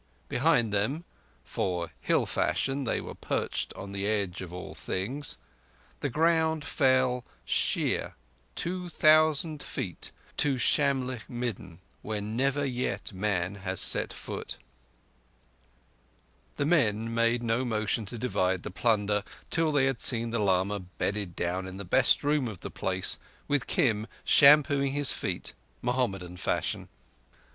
Behind them—for, hill fashion, they were perched on the edge of all things—the ground fell sheer two thousand feet to Shamlegh midden, where never yet man has set foot. The men made no motion to divide the plunder till they had seen the lama bedded down in the best room of the place, with Kim shampooing his feet, Mohammedan fashion.